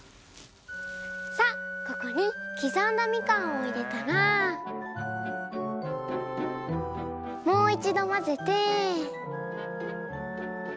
さあここにきざんだみかんをいれたらもういちどまぜて。